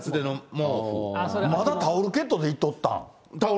まだタオルケットでいっとったん？